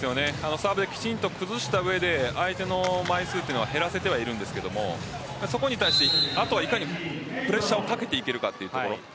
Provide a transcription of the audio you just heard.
サーブをきちんと崩した上で相手の枚数を減らせてはいるんですけれどそこに対してあとは、いかにプレッシャーをかけていけるかというところ。